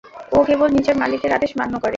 ও কেবল নিজের মালিকের আদেশ মান্য করে।